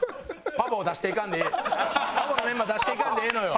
Ｐａｂｏのメンバー出していかんでええのよ。